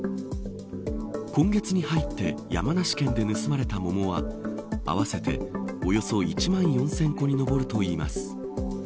今月に入って山梨県で盗まれた桃は合わせて、およそ１万４０００個に上るといいます。